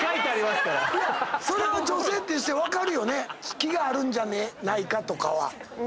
⁉気があるんじゃないかとかは。